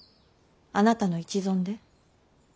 あなたの一存で？